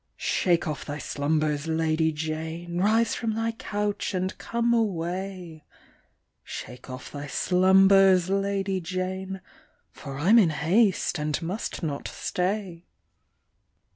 " Shake ofF thy slumbers, Lady Jane, Rise from thy couch, and come away ; Shake off thy slumbers, Lady Jane, For I'm in haste, and must not stay."